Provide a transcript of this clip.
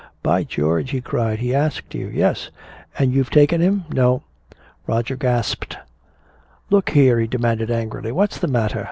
"By George," he cried, "he asked you!" "Yes!" "And you've taken him!" "No!" Roger gasped. "Look here!" he demanded, angrily. "What's the matter?